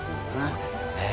そうですよね。